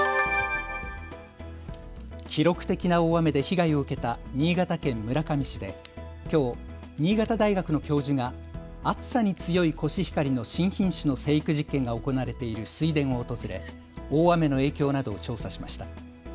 記録的な大雨で被害を受けた新潟県村上市できょう新潟大学の教授が暑さに強いコシヒカリの新品種の生育実験が行われている水田を訪れ大雨の影響などを調査しました。